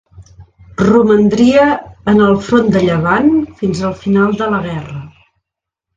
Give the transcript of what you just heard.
Romandria en el Front de Llevant fins al final de la guerra.